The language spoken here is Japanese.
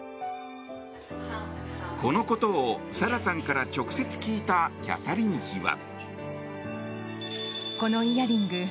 このことをサラさんから直接聞いたキャサリン妃は。